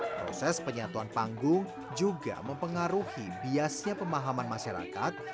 proses penyatuan panggung juga mempengaruhi biasnya pemahaman masyarakat